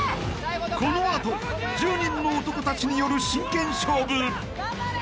［この後１０人の男たちによる真剣勝負］